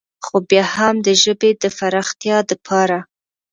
خو بيا هم د ژبې د فراختيا دپاره